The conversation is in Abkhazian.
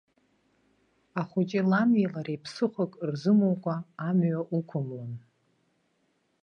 Ахәыҷы лани лареи ԥсыхәак рзымукәа амҩа уқәымлан.